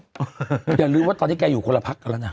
อย่าลืมว่าตอนนี้แกอยู่คนละพักกันแล้วนะ